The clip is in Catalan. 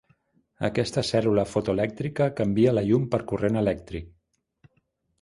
Aquesta cèl·lula fotoelèctrica canvia la llum per corrent elèctric.